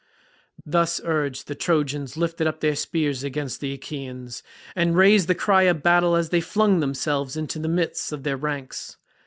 Thus urged the Trojans lifted up their spears against the Achaeans, and raised the cry of battle as they flung themselves into the midst of their ranks.